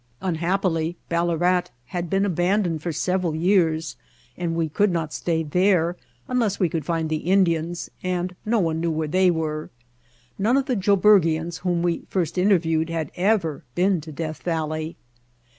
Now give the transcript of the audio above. Unhappily Ballarat had been abandoned for several years and we could not stay there unless we could find the Indians, and no one knew where they were. None of the Joburgians whom we first inter viewed had ever been to Death Valley.